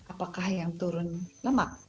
apakah yang turun lemak